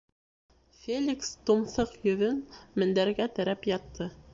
Феликс тумҫыҡ йөҙөн мендәргә терәп ятты.